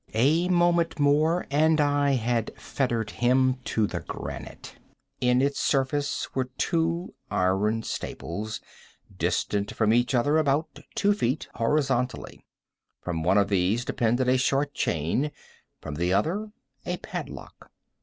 A moment more and I had fettered him to the granite. In its surface were two iron staples, distant from each other about two feet, horizontally. From one of these depended a short chain, from the other a padlock.